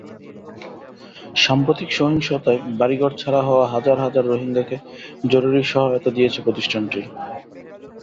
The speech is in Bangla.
সাম্প্রতিক সহিংসতায় বাড়িঘর ছাড়া হওয়া হাজার হাজার রোহিঙ্গাকে জরুরি সহায়তা দিয়েছে প্রতিষ্ঠানটি।